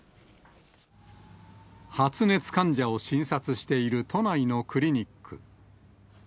発熱患者を診察している都内のクリニック。